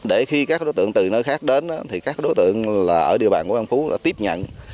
để khi các đối tượng từ nơi khác đến thì các đối tượng là ở địa bàn của an phú đã tiếp nhận